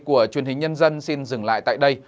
của truyền hình nhân dân xin dừng lại tại đây